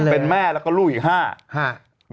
เป็นแม่แล้วก็ลูกอีกห้า